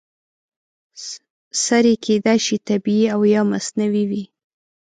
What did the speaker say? سرې کیدای شي طبیعي او یا مصنوعي وي.